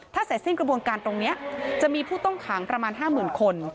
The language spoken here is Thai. ถ้าเสร็จสิ้นกระบวนการตรงนี้จะมีผู้ต้องขังประมาณ๕๐๐๐คน